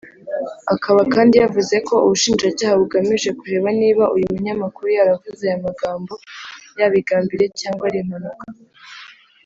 Akaba kandi yavuze ko Ubushinjacyaha bugamije kureba niba uyu munyamakuru yaravuze aya magambo yabigambiriye cyangwa ari impanuka